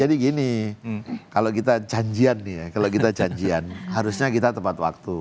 jadi gini kalau kita janjian nih ya kalau kita janjian harusnya kita tepat waktu